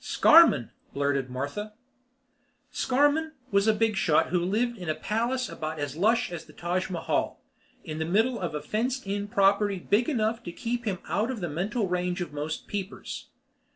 "Scarmann?" blurted Martha. Scarmann was a big shot who lived in a palace about as lush as the Taj Mahal, in the middle of a fenced in property big enough to keep him out of the mental range of most peepers.